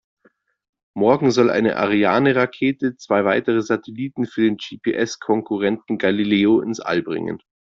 Morgen soll eine Ariane-Rakete zwei weitere Satelliten für den GPS-Konkurrenten Galileo ins All bringen.